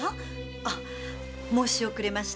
あ申し遅れました。